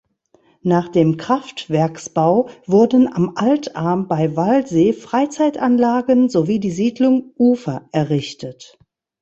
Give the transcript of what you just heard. Nach dem Kraftwerksbau wurden am Altarm bei Wallsee Freizeitanlagen sowie die Siedlung "Ufer" errichtet.